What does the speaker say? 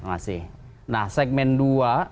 nah segmen dua dan tiga itu kan pertanyaannya